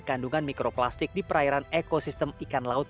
kandungan mikroplastik di perairan ekosistem ikan laut